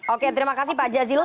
oke terima kasih pak jazilul